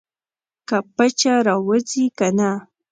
که پچه راوځي کنه.